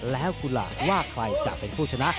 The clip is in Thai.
แล้วกุหลาบว่าใครจะเป็นผู้ชนะ